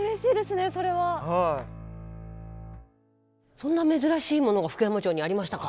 そんな珍しいものが福山城にありましたか。